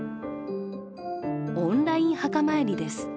オンライン墓参りです。